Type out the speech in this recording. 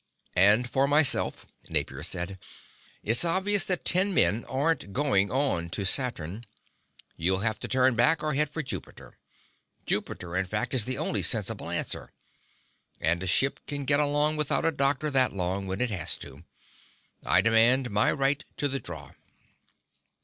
"And for myself," Napier said. "It's obvious that ten men aren't going on to Saturn you'll have to turn back, or head for Jupiter. Jupiter, in fact, is the only sensible answer. And a ship can get along without a doctor that long when it has to. I demand my right to the draw."